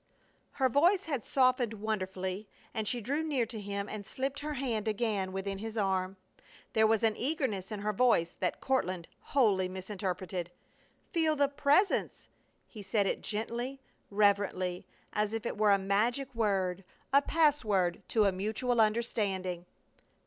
Her voice had softened wonderfully, and she drew near to him and slipped her hand again within his arm. There was an eagerness in her voice that Courtland wholly misinterpreted. "Feel the Presence!" He said it gently, reverently, as if it were a magic word, a password to a mutual understanding.